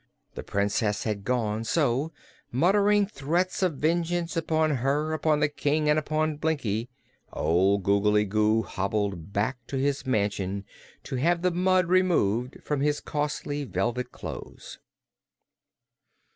The Princess had gone; so, muttering threats of vengeance upon her, upon the King and upon Blinkie, old Googly Goo hobbled back to his mansion to have the mud removed from his costly velvet clothes.